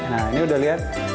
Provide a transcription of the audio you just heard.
nah ini udah lihat